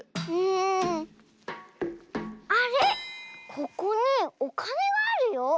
ここにおかねがあるよ。